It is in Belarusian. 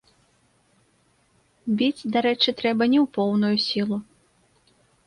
Біць, дарэчы, трэба не ў поўную сілу.